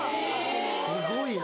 すごいな。